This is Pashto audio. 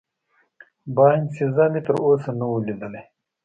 باینسیزا مې تراوسه نه وه لیدلې.